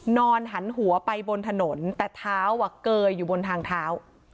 นอนหันหัวไปบนถนนแต่เท้าเกยอยู่บนทางเท้า